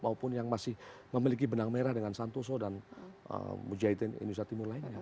maupun yang masih memiliki benang merah dengan santoso dan mujahidin indonesia timur lainnya